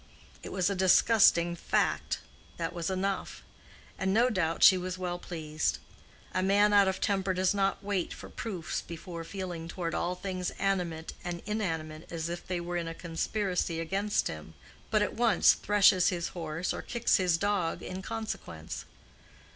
It was a disgusting fact; that was enough; and no doubt she was well pleased. A man out of temper does not wait for proofs before feeling toward all things animate and inanimate as if they were in a conspiracy against him, but at once threshes his horse or kicks his dog in consequence.